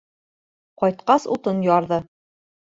Ҡайтҡас утын ярҙы.